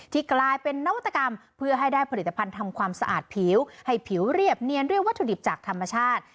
กลายเป็นนวัตกรรมเพื่อให้ได้ผลิตภัณฑ์ทำความสะอาดผิวให้ผิวเรียบเนียนเรียกวัตถุดิบจากธรรมชาติ